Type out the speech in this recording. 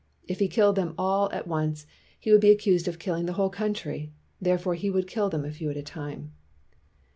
If he killed them all at once, he would be accused of killing the whole country ; therefore, he would kill them a few at a time.